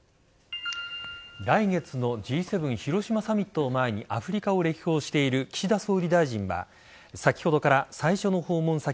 来月のＧ７広島サミットを前にアフリカを歴訪している岸田総理大臣は先ほどから最初の訪問先・